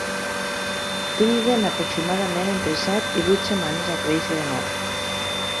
Triguen aproximadament entre set i vuit setmanes a créixer de nou.